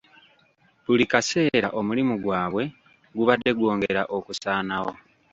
Buli kaseera omulimu gwabwe gubadde gwongera okusaanawo.